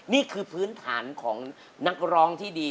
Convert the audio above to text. นี่คือพื้นฐานของนักร้องที่ดี